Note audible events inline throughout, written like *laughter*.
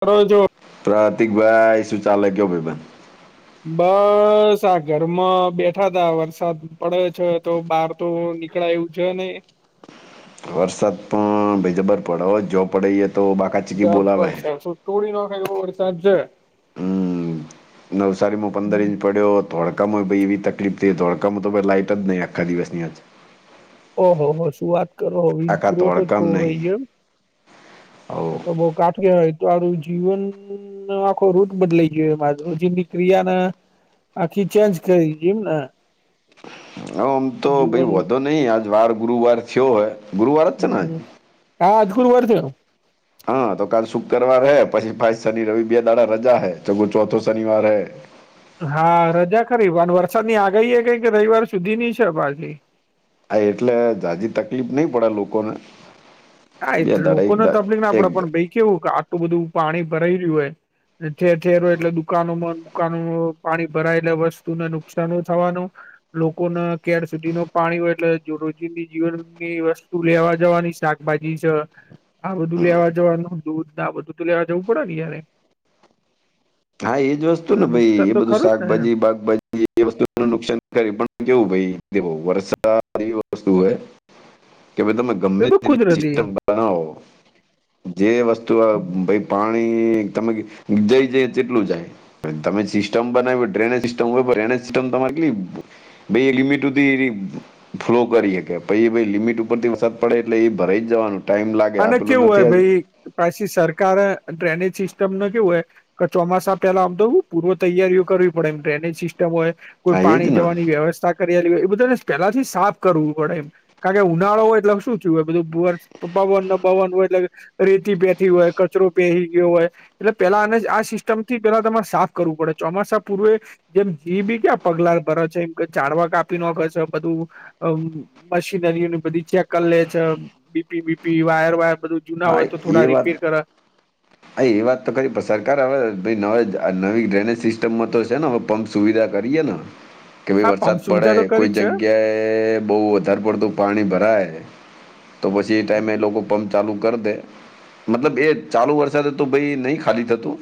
કરો જો પ્રતીકભાઈ શું ચાલે ક્યો ભાઈબંધ બસ આ ઘરમાં બેઠા તા વરસાદ પડે છે તો બહાર તો નીકળાય એવું છે ને વરસાદ પણ ભીજબર પડે હો જો પડીએ તો બાકી જોબ પર છે શું તોડી નાખાય એવો વરસાદ છે હમ નવસારીમાં પંદર ઇંચ પડ્યો ધોળકામાં ભ એવી તકફ થઈ ધોળકામાં તો ભાઈ લાઈટ જ નહીં આપ આખા દિવસની અજ ઓહ હો શું વાત કરો આખા પુરવઠો જ ધોળકામ ખોવો રહી નહીં જાય એમ હો તો તો બઉ કાટ કે હોય તારું જીવન નો આખો રૂટ બદલાઈ ગયો માર રોજીની ક્રિયા ના આખી ચેન્જ કરી દય એમને હ આમ તો ભાઈ વધો નહીં આજ વાર ગુરુવાર થયો હોય હ હા આજ ગુરુવાર થયો હ તો કાલ શુક્રવાર હે પછી ફાઈ શનિ રવિ બે દાડા રજા હૈ ચગુ ચોથો શનિવાર હે હા રજા ખરી અને વરસાદની આગાહી એ કઈ કે રવિવાર સુધી ની છે બાજરી આ એટલે જાજી તકલીફ નહી પડે લોકોને હા એ બે દાડા એક લોકોને દા તકલીફ ના પડે એક પણ ભાઈ કેવું કે આટલું બધું પાણી ભરાઈ રહ્યું હોય ઠેર ઠેરો એટલે દુકાનો માં દુકાનો પાણી ભરાય એટલે વસ્તુને નુકસાન થવાનું લોકોને ક્યાર સુધી ન પાણી હોય એટલે રોજિંદની જીવનની વસ્તુ લેવા જવાની શાક ભાજી છે આ બધું લેવા જવાનું દ આ બધું તો લેવા જવું પડે ને યારે હા એજ વસ્તુ ને એટલે ભાઈ નુકસાન એ તો બધું ખરું જ ને એમ. શાકભાજી બાકભાજી એ વસ્તુું નુકસાન કરે પણ કેવું ભાઈ વરસાદ એવી વસ્તુ હ કે ભાઈ તમે એ ગમે તો તેટલી કુદરતી સિસ્ટમ બનાવો જે વસ્તુ ભાઈ પાણી તમે જઇ જઈ જેટલું જાય તમે સિસ્ટમ બનાવી ડ્રેનેજ સિસ્ટમ હોય ડ્રેનેજ સિસ્ટમ તમારે કેટલી ભાઈ એ લિમિટ હુધી એ ફ્લો કરીએ કે પછાઈ લિમિટ ઉપરથી વરસાદ પડે એટલે એ ભરાઈ જવાનું ટાઈમ લાગે આપેલું નથી આજે પછી સરકાર ડ્રેનેજ સિસ્ટમ ન કેવું હોય ચોમાસા પેલા આમ તો પૂર્વ તૈયારીઓ કરવી પડે એમ ડ્રેનેજ સિસ્ટમ હોય કોઈ હા એ પાણી જ ને જવાની વ્યવસ્થા *unintelligible* એ બધાને પેલાથી સાફ કરવું પડે એમ કારણ ઉનાળો હોય એટલે શું થયું હોય બધું વન ના બાવન હોય એટલે રેતી બેહેતી હોય કચરો બેહી ગયો હોય એટલે પેલા અને આ સિસ્ટમ થી પેલા તમારે સાફ કરવું પડે ચોમાસા પૂર્વે જેમ જી ઈ બી ક્યાં પગલા ભરે છે એમ ઝાળવા કાપી નોખે છે બધું અમ મશીનરીઓની બધી ચેક કરી લે છે. પીબીપી વાયર વાયર બધું જુના હોય તો થોડા રીપેર કરે. અ એ વાત તો ખરી સરકાર હવે નવે નવી ડ્રેનેજ સિસ્ટમમાં તો છે ને હવે પંપ સુવિધા કરીએ ન *inaudible* કે ભાઈ વરસાદ પડે સુવિધા તો કરી કોઈ જ છે જગ્યાએ બહુ વધારે પડતું પાણી ભરાય તો પછી એ ટાઈમે એ લોકો પંપ ચાલુ કરી દે મતલબ એ ચાલુ વર્ષ સાદે તો ભાઈ નહી ખાલી થતું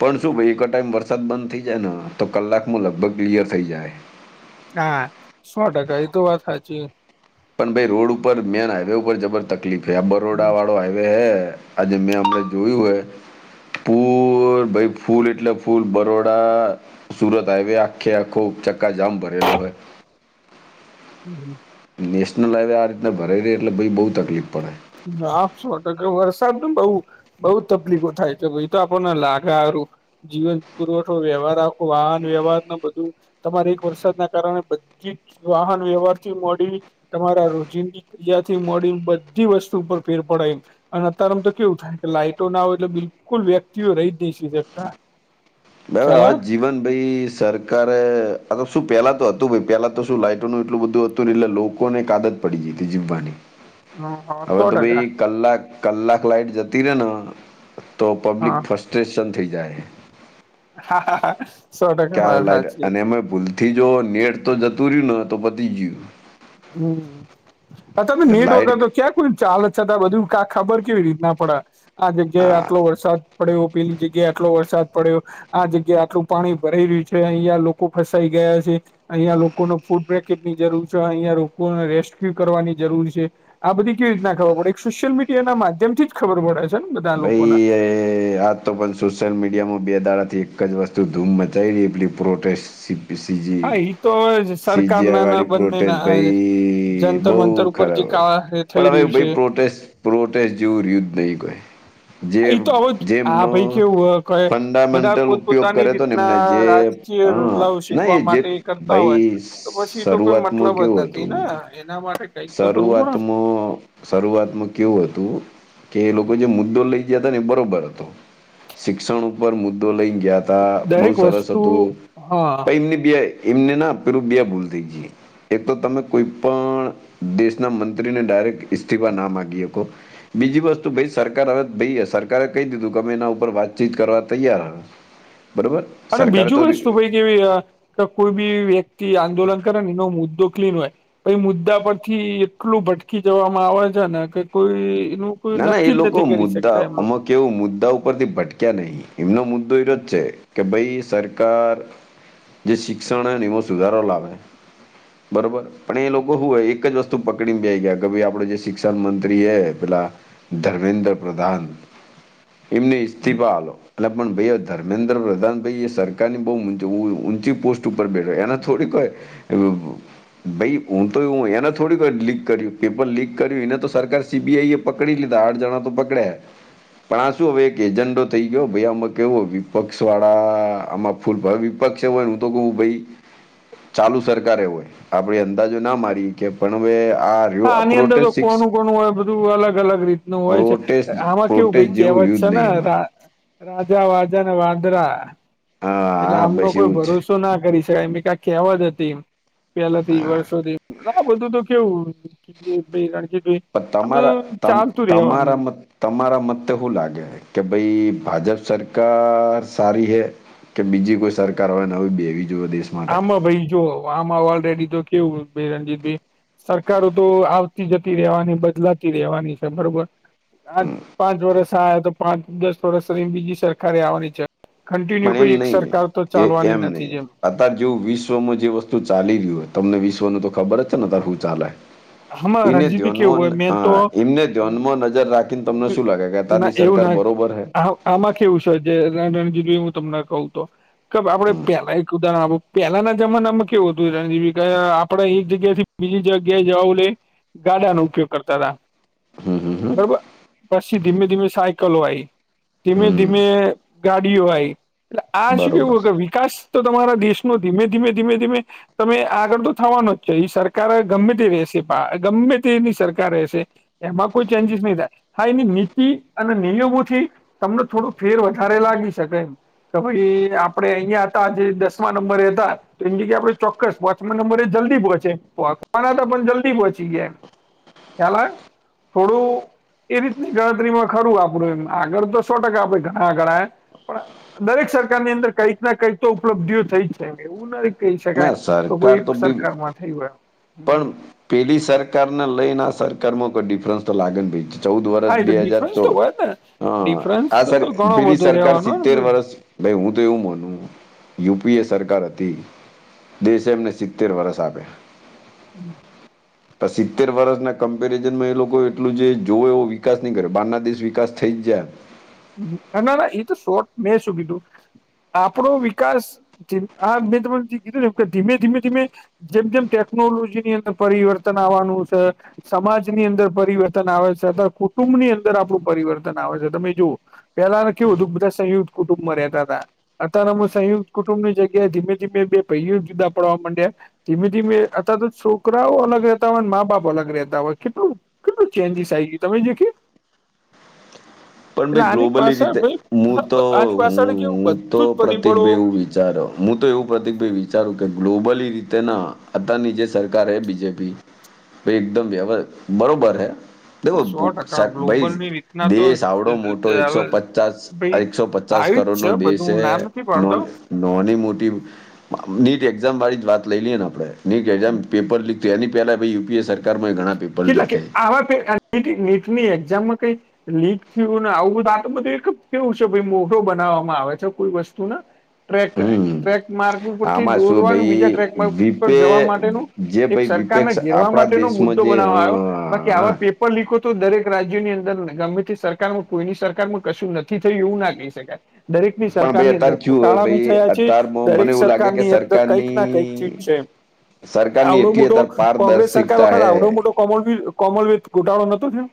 પણ શું ભાઈ એક ટાઇમ વરસાદ બંધ થઈ જાય ને તો કલાકમાં લગભગ ક્લિયર થઈ જાય. હા સો ટકા એ તો વાત સાચી. પણ ભાઈ રોડ ઉપર મેન હાઈવે ઉપર જબર તકલીફ હે આ બરોડા હમ વાળો હાઈવે હૈ આજે મેં હમણા જોયું હય પૂર ભાઈ ફૂલ એટલે ફૂલ બરોડા સુરત હાઈવે આખે આખો ઉપ ચક્કા જામ ભરેલો હોય હમ હમ નેશનલ હાઇવે આ રીતના ભરાઈ રહી એટલે ભાઈ બહુ તકલીફ પડે. આ સો ટકા વરસાદ ને બઉ બઉ તકલીફો થાય છે ભાઈ તો આપણને લાગે હારુ જીવન પુરવઠો વ્યવહાર આખો વાહન વ્યવહાર ને બધું તમારે એક વરસાદના કારણે બધી જ વાહન વ્યવહારથી મોડી તમારા રોજિંદી પિયાથી મોડી બધી વસ્તુ પર ફેર પડાય. અને અત્યારે આમ તો કેવું થાય કે લાઈટો ના હોય એટલે બિલકુલ વ્યક્તિઓ રહી જ નઈ શ શકતા હા ખ્યાલ હા જીવન ભાઈ સર કારે શું પેલા તો હતું પેલા તો શું લાઈટોનું એટલું બધું હતું ને એટલે લોકોને એક આદત પડી જીતી જીવવાની *inaudible* હ હવે સો તો ટકા ભાઈ કલાક કલાક લાઈટ જતી રહે ને તો પબ્લિક ફસ્ટ્રેશન થઈ જાય. *unintelligible* ક્યારે વાત લાઈટ સાચી અને એમે ભૂલથી જો નેટ તો જતું રહ્યું ને તો પતી ગયું હમ અત્યારે તો એટલે નેટ વગેર લાઈટ તો ક્યા કોઈને ચાલે છે, બધું કા ખબર કેવી રીત ના પડે આ જગ્યાએ આટલો વરસાદ પડ્યો પેલી જગ્યા આટલો વરસાદ પડ્યો. આ જગ્યા આટલું પાણી ભરાઈ રહ્યું છે, અહિયાં લોકો ફસાઈ ગયા છે. અહિયાં લોકો ને ફૂડ પેકેટ ની જરૂર છે, અહિયા લોકોને રેસ્ક્યુ કરવાની જરૂર છે. આ બધી કેવી રીતના ખબર પડે સોશિયલ મીડિયા ના માધ્યમથી જ ખબર પડે છે. ને બધા લોકોને ભાઈ આ તો પણ સોશિયલ મીડિયામાં બે દાડાથી એક જ વસ્તુ ધૂમ મચાઈ રહી છે પેલી પ્રોટેસ્ટ સીજી હા એ તો સીજીઆઈ સરકારના ના વાળી પ્રોટેસ્ટ બંનેના ભાઈ જંતર બહુ મંતર ઉપર જે ખરાબર કા થઈ પણ હવે રહ્યું છે ભાઈ પ્રોટેસ્ટ પ્રોટેસ્ટ જેવું રયુ નહી કોય એ તો હવો જ હા ભાઈ કેવું બધા ફંડામેન્ટલ ઉપયોગ પોતપોતાની કરે તો ને એમને જે રીતના પછી હા રોટલાઓ ના એ શેકવા જે માટે કરતા ભાઈ હોય તો પછી એ તો કોઈ શરૂઆતમાં મતલબ જ કેવું નથી હતું ને એના માટે કઈક તો કરવું પડે શરૂઆતમાં શરૂઆતમાં કેવું હતું કે એ લોકો જે મુદ્દો લઈ ગયા હતા ને એ બરોબર હતો શિક્ષણ ઉપર મુ દો લઈને ગયા તા બહુ દરેક સરસ વસ્તુ હતું હા પ એમની બે એમને ના પેરબિયા ભૂલ થઈ જ એક તો તમે કોઈ પણ દેશના મંત્રીને ડાયરેક્ટ ઇસ્તીફા ના માગીકો બીજી વસ્તુ ભાઈ સરકાર હવે ભાઈ સરકારે કહી દીધું કે અમે એના ઉપર વાતચીત કરવા તૈયાર હ બરાબર. અને બીજું વસ્તુ ભાઈ કેવી કોઈ બી વ્યક્તિ આંદોલન કરે ને એનો મુદ્દો ક્લીન હોય. પઈ મુદ્દા પરથી એટલું ભટકી જવામાં આવે છે ને કે કોઈ એનું કોઈ ના ના એ નક્કી જ લોકો નથી કરી મુદ્દા શકતા એમ અમ લોકો કેવું મુદ્દા ઉપરથી ભટકે ક્યા નહી એમનો મુદ્દો એ જ છે કે ભાઈ સરકાર જે શિક્ષણ હેનૅ એમાં સુધારો લાવે બરોબર. પણ એ લોકો શું હોય એક જ વસ્તુ પકડીને બેહી ગયા કે ભાઈ આપડ જે શિક્ષણ મંત્રી હે પેલા ધર્મેન્દ્ર પ્રધાન એમને હમ ઇસ્તીફા આલો. એટલે પણ ભાઈ ધર્મેન્દ્ર પ્રધાન ભાઈ એ સરકારની બહુ ઊંચી પોસ્ટ ઉપર બેઠો એને થોડીક કોઈ. એવ ભાઈ હું તો એવું એને થોડીક વાર લીક કર્યું પેપર લીક કર્યું એને તો સરકાર સીબીઆઈએ પકડી લીધા આઠ જાણા તો પકડાયા પણ આ શું હવે એક એજન્ડો થઈ ગયો ભાઈ આમાં કેવું વિપક્ષ વાળા આમાં ફૂલ વિપક્ષમાં હું તો કહું ભાઈ. ચાલુ સરકારે હોય આપડે અંદાજો ના મારી કે પણ હવે આ રહ્યો હા આ આની અંદર પ્રોટેસ્ટ સિક્સ લોકોનું. લોકો ન હોય બધું અલગ અલગ રીત નું હોય છે પ્રોટેસ્ટ આમાં કેવું ભાઈ પ્રોટેસ્ટ જેવું કહેવત રહ્યું છે જ ને નહીં એમાં રાજા વાજા ને વાંદરા હા એટલે હા આમનો બસ કોઈ એવું જ છે ભરોસો તો ના કરીશ એમ કહેવત હતી એમ પહેલેથી વર્ષોથી આ બધું તો કેવું. એક બે ગાડી કે જો પણ તમારા તમારા મ તમારા મતે હુ લાગે હે કે ભાઈ ભાજપ સરકાર સારી હે કે બીજી કોઈ સરકાર હોય ને બેવી જોવૅ દેશ. માટે આમાં ભાઈ જો આમાં ઓલરેેડી તો કેવું ભાઈ રણજીતભાઈ સર સરકારો તો આવતી જતી રહેવાની બદલાતી રહેવાની છે બરોબર આ પાંચ વર્ષ આ તો પાંચ દસ વર્ષ રહીને બીજી સરકારે આવવાની છે. કન્ટિન્યુ પણ કોઈ એમ એક નહી સરકાર તો એ ચાલવાની એમ નહી નથી જેમ અત્યારે જોવ વિશ્વમાં જે વસ્તુ ચાલી રહ્યું હોય તમને વિશ્વનું તો ખબર જ છે ને ત્યારે હું ચાલેય. આમાં એને રણજીતભાઈ કેવું ધ્યાનમાં હોય હ મેન તો એમને ધ્યાનમાં નજર રાખીને તમને શું લાગે ના અત્યારની એવું સરકાર ના બરોબર હૈ. આમાં કેવું છે જે ર રણજીત જો હું તમને કહું તો કે આપડે પેલા એક ઉદાહરણ આલુ પેલાના જમાના માં કેવું હતું રણજીભાઇ આપણે એક જગ્યા થી બીજી જગ્યાએ જવા ગાડા નો ઉપયોગ કરતા હતા હમ હમ હમ. પછી ધીમે ધીમે સાયકલો આઇ ધીમે ધીમે હમ ગાડીઓ આઈ. એટલે આ શું બરોબર કેવું કે વિકાસ તો તમારા દેશનો ધીમે ધીમે ધીમે ધીમે તમે આગળ તો થવાનો જ છે એ સરકાર ગમે તેવી રહેશે. ગમે તેની સરકાર રહેશે. એમાં કોઈ ચેન્જીસ નહી થાય હા એની નીતિ અને નિયમોથી તમને થોડું ફેર વધારે લાગી શકે. કે ભાઈ આપડે અહિયાં હતા જે દસમા નંબરે હતા. તો એમ જગ્યાએ આપડે ચોક્કસ વોચમેન નંબર એ જલ્દી પહોંચેના હતા પણ જલ્દી પહોંચી ગયા એમ ખ્યાલ આયો થોડું એ રીતની ગણતરીમાં ખરું આપણું એમ આગળ તો સો ટકા આપડે ઘણા આગળ આયા. પણ દરેક સરકાર ની અંદર કઈક ના કંઈક તો ઉપલબ્ધિઓ થઈ છે એવું નહી કહી શકાય ના તો સરકાર એક બી સરકારમાં થઈ હોય. પણ પેલી સરકારને લઈને સરકારમાં કોઈ ડિફરન્સ તો લાગે ને ચૌદ વર્ષ હા એ બે તો હજાર ડિફરન્સ તો ચૌદ હોય જ ને હ ડિફરન્સ આ સરકાર તો ઘણો પેલી બધો સરકાર રહેવાનો સિત્તેર ને વર્ષ ભાઈ હું તો એવું મોનું યુ પી એ સરકાર હતી દેશ એમને સિત્તેર વરષ આપ્યા *inaudible* સિત્તેર વર્ષના કમ્પેરિઝનમાં એ લોકો એટલું જે જોવે એવો વિકાસ નહી કરે બહારના દેશ વિકાસ થઈ જ જાય ના ના એ તો સોટ મેં શું કીધું આપણો વિકાસ આ મેં તમને જે કીધું ધીમે ધીમે ધીમે જેમ જેમ ટેકનોલોજી ની અંદર પરિવર્તન આવવાનું છે. સમાજની અંદર પરિવર્તન આવે છે કુટુંબ ની અંદર આપણું પરિવર્તન આવે છે તો ભાઈ જુઓ પેલાને કેવું હતું બધા સંયુક્ત કુટુંબમાં રહેતા હતા અત્યારે અમમે સંયુક્ત કુટુંબ ની જગ્યાએ ધીમે ધીમે બે ભાઇઓ જુદા પડવા માંડ્યા ધીમે ધીમે અત્યારે તો છોકરાઓ અલગ રહેતા હોય મા-બાપ અલગ રહેતા હોય કેટલું કેટલું ચેન્જીસ આ આવી ગય તમે જે કે પણ એટલે ભાઈ આની ગ્લોબલ એ પાછળ રીતે ભાઈ હું તો આની હું પાછળ કેવું હું તો બધું જ પ્રતિક પરિબળો ભાઈ એવું વિચારું હું તો એવું પ્રતિકભાઈ વિચારું કે ગ્લોબલી રીતે ના અત્યારની જે સરકાર એ બીજેપી એકદમ બરોબર હે સો ટકા ભાઈ ગ્લોબલની રીતના તો દેશ થોડો મોટો ભાઈ એકસો પચાસ આવી એકસો પચાસ જ કરોડ નો છે દેશ બધું હું ના નથી પાડતો નોંધ નાની મોટી નીટ એક્ઝામ વાળી જ વાત લઈ લઈએ ને આપણે નીટ એક્ઝામ પેપર લીક તો તેની પહેલા ભાઈ યુપીએ સરકારમાં ઘણા પેપર કેટલા લીક કે થયા આવા નીટની એક્ઝામમાં કઈ લીક થયું ને આવું બધું આ તો બધું એક કેવું છે ભાઈ મોટો બનાવવામાં આવે છે કોઈ વસ્તુને ટ્રેક હમ ટ્રેક માર્ક ઉપથી આમાં શું દોરવાનું બીજા ટ્રેક માર્ ભાઈ ઉપર વિપે જવા માટેનો જે એક ભાઈ સરકારને વિપેક્ષ ઘેરવા આપણા માટેનો મુદ્દો દેશમાં જે બનાવવા આવ્યો હા બાકી આવા હા. પે પેપર લીકો તો દરેક રાજ્યની અંદર ગમે તે સરકારમાં કોઈની સરકારમાં કશું નથી થયું એવું ના કહી શકાય દરેકની પણ ભાઈ સરકારની અત્યારે અંદર ક્યુ હોય ઘોટાળા ભી ભાઈ થયા છે અત્યારમાં મને દરેક એવું લાગે કે સરકારની અંદર કઈક ના કઈક ચીજ સરકારની છે એ સરકારની આવડો એટલી મોટો અત્યારે કોંગ્રેસ સરકાર પારદર્શિકતા વખત હે આવડો મોટો કો કોમનવેલ્થ ધોટડો નતો થયો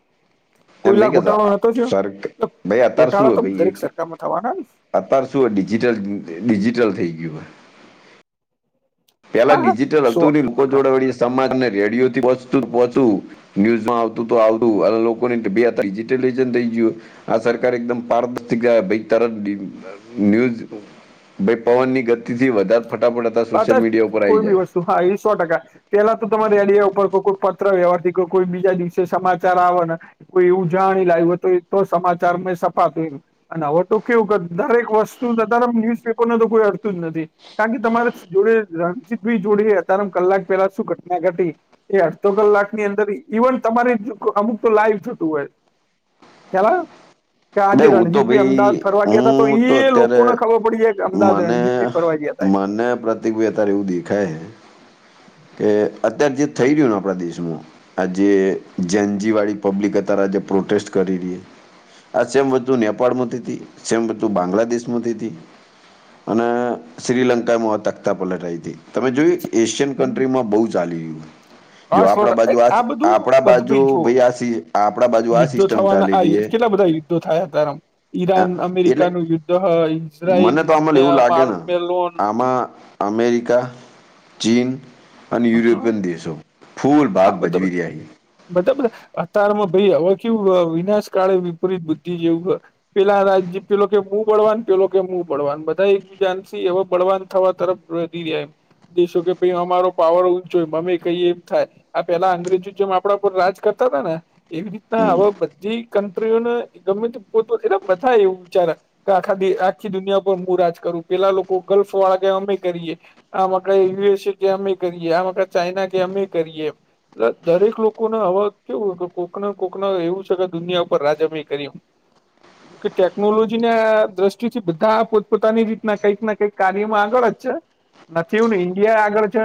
એમ કોઈલો નહીં ઘોટાળો કેતા નતો થયો સરક ભાઈ ગોટાળો તો દરેક સરકારમાં થવાના અતાર શું હો ડિજટલ ડિજિટલ થઈ ગયું હ પેલા હા હા ડિજિટલ અ સો હતુની લોકો ટકા જોડવાળ સમાજને રેડિયોથી જ પોચતુ ન્યુઝમાં આવતું તો આવતું લોકો નું *unintelligible* આ સરકાર એકદમ *unintelligible* ભાઈ તરત નયૂઝ ભાઈ પવન ની ગતિથી વધારે ફટાફટ હતા *unintelligible* કોઈ બી વસ્તુ હા એ સો ટકા પેલા તો ત તમામે રેડિયા ઉપર કો કોઈ પત્ર વ્યહરતી કો કોઈ બીજા દિવસે સમાચાર આવેના કોઈ એવું જાણી લાવ્યું હત એ તો સમાચાર છપાતું હોઈ અને હવે તો કેવું દરેક વસ્તુ ત્યારે ન્યુઝપેપર ન તો કોઈ અડતું જ નથી કારણ કે તમારે જોડે રણજીત ભાઈ જોડે અતાર માં કલાક પેલા શું ઘટના ઘટી એ અડધો કલાક ની અંદર ઇવન તમારે અમુક તો લાઈવ છૂટું હોય ખયાલ આયો કે બે આજે હું તો રણજીતભાઈ અમદાવાદ ભાઈ ફરવા ગયા હતા તો હું એ અત્યારે લોકોને ખબર પડી જાય કે અમદાવાદ મને રણજીતભાઈ ફરવા ગયા હતા એમ. મને પ્રતિક ભાઈ અત્યારે એવું દેખાય કે અત્યારથી થઈ રહ્યું આપણા દેશમાં આજે જે એન જે વાળી પબ્લિક અત્યારે આજે પ્રોટેસ્ટ કરી રહી આ જે બધું નેપાળમાંથીતી જે બધું બાંગ્લાદેશમાંથી હતી અને શ્રીલંકામાં અટકતા પલટાઈ હતી તમે જોયું એક એશિયન કન્ટ્રીમાં બહુ ચાલી હા જો સો આપડા ટકા એ બાજુ આ બધું આપડા બધું બાજુ ભાઈ જુઓ ભાઈ આ આપડા બાજુ આ યુદ્ધો સિસ્ટમ થવાના ચાલી આ યુ- રહી. કેટલા બધા યુદ્ધો થયા હતામ છે ઈરાન એટલે અમેરિકાનું યુદ્ધ મને તો આમાં એવું લાગે ઈઝરાયલ ને મેલોન આમાં અમેરિકા ચીન અને યુરોપિયન હા દેશો ફૂલ ભાગ બધા બધા ભજવી રહ્યા છે. બધા બધા અતારમાં ભાઈ હવે કેવુ વિનાશ કાળે વિપરીત બુદ્ધિ જેવુ. પેલા રાજજી પેલો કે હું બળવાન પેલો કે હું બળવાન બધા એકબીજાથી એ બળવાન થવા તરફ દ જ દેશો કે ભમા પાવર ઊંચ મમે કઈ એમ થાય આ પેલા અંગ્રેજો જેમ આપણા પર રાજ કરતા હતા, ને એવી રીતના હમ આવા બધી કન્ટ્રીઓને ગમે પોતે એ બધા એવું વિચાર આખા આખી દુનિયા પર હુ રાજ કરુ પેલા લોકો ગલ્ફ વાળા અમે કરીએ આમાં ક યુએસએ કે અમે કરીએ આમાં ચાઈઇના કે અમે કરીએ દરેક લોકોને હવા કેવું કે કોકના કોકના એવું છે, કે દુનિયા ઉપર રાજભય કરી હ કે ટેકનોલોજી ના દ્રષ્ટિથી બધા પોતપોતાની રીતના કઈક ના કંઈક કાર્યમાં આગળ જ છે. નથી એું ને ઈન્ડિયા એ આગળ છે,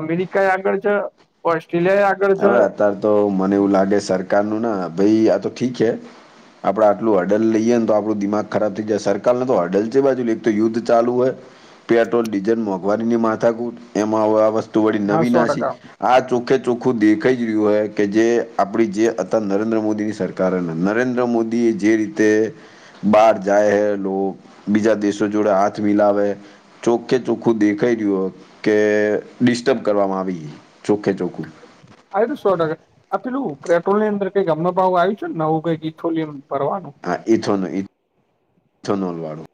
અમેરિકા એ આગળ છે ઓસ્ટ્રેલિયા એ આગળ છે. હવે અત્યારે તો મને એવું લાગે સરકારનું ના ભાઈ આ તો ઠીક છે. આપડ આટલું હડલ લઈએ ને તો આપણું દિમાગ ખરાબ થઈ જાય સરકારને તો હડલ છે, બાજુ એક તો યુદ્ધ ચાલુ હોય. પેટ્રોલ ડીઝલ મોંઘવારીની માથાકૂઠ એમાં હ આ વસ્તુ વળી હા નવી સો નાસીી ટકા આ ચોખ્ખે ચોખ્ખું દેખાઈ રહ્યું કે જે આપણી જે અ હતા નરેન્દ્ર મોદીની સરકાર નરેન્દ્ર મોદી એ જે રીતે બહાર જાય હે બીજા દેશો જોડે હાથ મિલાવે ચોખ્ખે ચોખ્ખું દેખાઈ રહ્યું કે ડિસ્ટર્બ કરવામાં આવી ચોખ્ખે ચોખ્ખુ આું સોડગ આ પેલું પેટ્રોલની અંદર કઈક ગમ ભાવ આવ્યું છેને, નવુ કઈક ઇથોલિયમ ભરવાનુ હા ઇથોનોલ ઇથનોલ વાળો